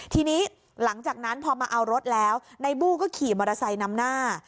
ทีนี้หลังจากนั้นพอมาเอารถแล้วในบู้ก็ขี่มอเตอร์ไซค์นำหน้า